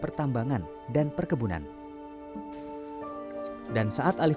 seetinya kalo lil mengewini diala di sisi gua kaedur